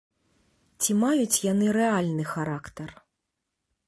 Ці маюць яны рэальны характар?